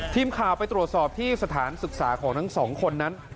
ทีมข่าวไปตรวจสอบที่สถานศึกษาของทั้งสองคนนั้น